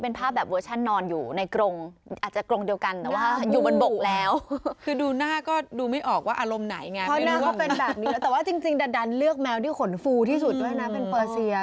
เพราะหน้าเขาเป็นแบบนี้แต่ว่าจริงดันเลือกแมวที่ขนฟูที่สุดด้วยนะเป็นเฟอร์เซีย